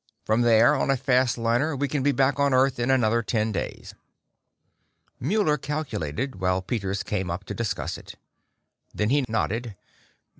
From there, on a fast liner, we can be back on Earth in another ten days." Muller calculated, while Peters came up to discuss it. Then he nodded.